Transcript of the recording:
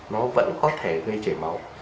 nó vẫn có thể gây chảy máu